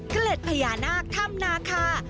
เกล็ดพญานาคถ้ำนาคา